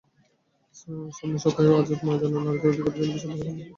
সামনের সপ্তাহে আজাদ ময়দানে নারীদের অধিকারের জন্য বিশাল বড় সম্মেলন আছে।